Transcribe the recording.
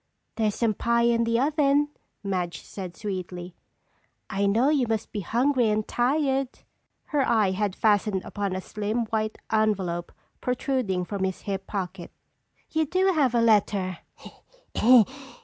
"There's some pie in the oven," Madge said sweetly. "I know you must be hungry and tired." Her eye had fastened upon a slim, white envelope protruding from his hip pocket. "You do have a letter!"